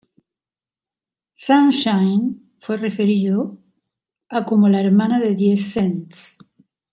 Sunshine Fue referido a como la hermana de Diez Cents.